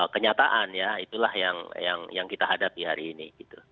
kenyataan ya itulah yang kita hadapi hari ini